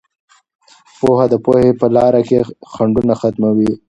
پوهه د پوهې په لاره کې خنډونه ختموي.